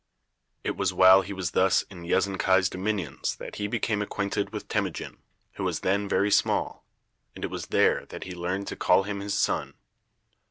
It was while he was thus in Yezonkai's dominions that he became acquainted with Temujin, who was then very small, and it was there that he learned to call him his son.